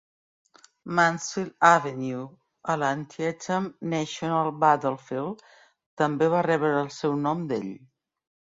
Mansfield Avenue, al Antietam National Battlefield, també va rebre el seu nom d"ell.